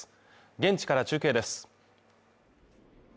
現地から中継です。